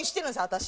私。